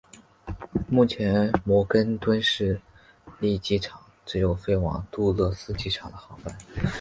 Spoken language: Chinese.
目前摩根敦市立机场只有飞往杜勒斯机场的航班。